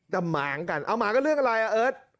แต่หมางกันเอาหมางกันเรื่องอะไรอ่ะเอิร์ท